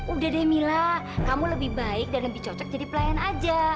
udah deh mila kamu lebih baik dan lebih cocok jadi pelayan aja